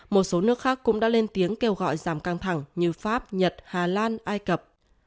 một số nước khác cũng đã lên tiếng kêu gọi giảm căng thẳng như pháp nhật hà lan ai cập